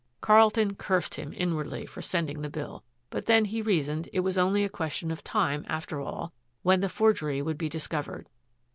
Carlton cursed him inwardly for sending the bill. But then, he reasoned, it was only a question of time, after all, when the forgery would be discovered.